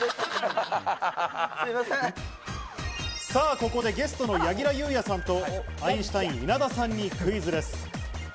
ここでゲストの柳楽優弥さんとアインシュタイン・稲田さんにクイズです。